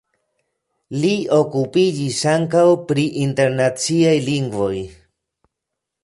Li okupiĝis ankaŭ pri internaciaj lingvoj.